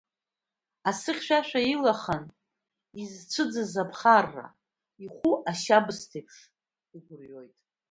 Асы хьшәашәа илахан, изцәыӡыз аԥхарра, ихәу ашьабсҭеиԥш, игәырҩоит…